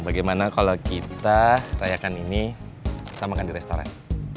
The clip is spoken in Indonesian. bagaimana kalau kita rayakan ini kita makan di restoran